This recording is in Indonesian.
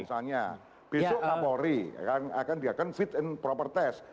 misalnya besok memori kan fit and proper test